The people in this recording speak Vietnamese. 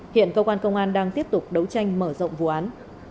hiện cơ quan công an đang tiếp tục đấu tranh mở rộng vụ án